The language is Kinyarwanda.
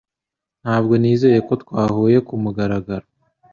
Ntabwo nizera ko twahuye kumugaragaro